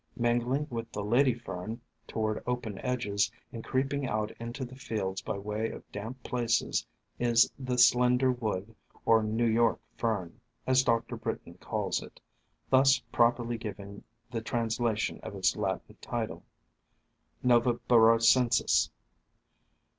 Mingling with the Lady Fern, toward open edges, and creeping out into the fields by way of damp places, is the Slender Wood, or New York Fern, as Doctor Britton calls it, thus properly giving the translation of its Latin title, Noveboracensis.